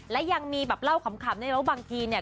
และยังมีแบบเล่าขำด้วยนะว่าบางทีเนี่ย